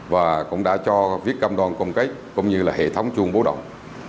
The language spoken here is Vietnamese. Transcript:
và cũng đã cho viết cam đoàn công kết cũng như là hệ thống chuông bố động